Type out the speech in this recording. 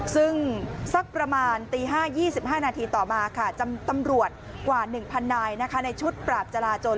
ซึ่งสักประมาณตี๕๒๕นาทีต่อมาค่ะจำตำรวจกว่า๑๐๐นายในชุดปราบจราจน